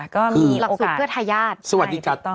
ก็มีโอกาสคือหลักสูตรเพื่อทายาท